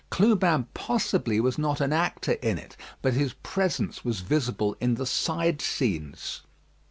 Clubin possibly was not an actor in it, but his presence was visible in the side scenes.